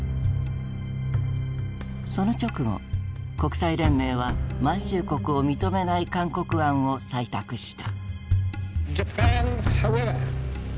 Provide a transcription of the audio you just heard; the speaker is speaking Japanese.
その直後国際連盟は満州国を認めない勧告案を採択した。